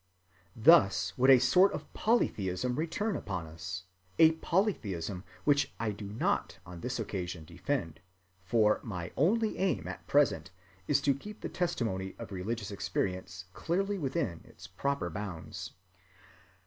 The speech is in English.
(362) Thus would a sort of polytheism return upon us—a polytheism which I do not on this occasion defend, for my only aim at present is to keep the testimony of religious experience clearly within its proper bounds.